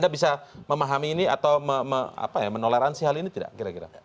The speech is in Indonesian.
anda bisa memahami ini atau menoleransi hal ini tidak kira kira